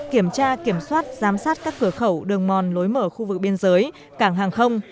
kiểm tra kiểm soát giám sát các cửa khẩu đường mòn lối mở khu vực biên giới cảng hàng không